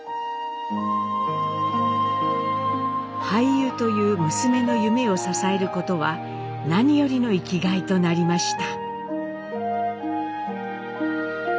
俳優という娘の夢を支えることは何よりの生きがいとなりました。